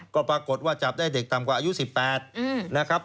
ก็ปรากฏว่าจับได้เด็กต่ำกว่าอายุ๑๘นะครับ